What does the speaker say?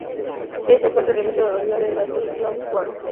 Es el cuarto elemento de los nueve de la serie Clone Wars.